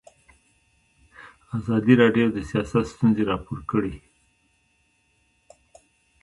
ازادي راډیو د سیاست ستونزې راپور کړي.